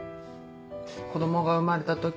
子供が生まれた時は。